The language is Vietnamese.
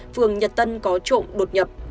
phường nhật tân có trộm đột nhập